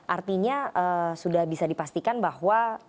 artinya sudah bisa dipastikan bahwa